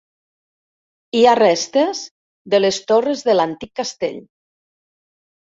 Hi ha restes de les torres de l'antic castell.